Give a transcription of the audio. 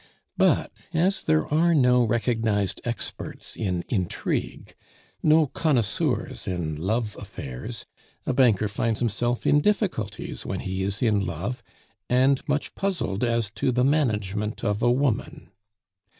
But as there are no recognized experts in intrigue, no connoisseurs in love affairs, a banker finds himself in difficulties when he is in love, and much puzzled as to the management of a woman.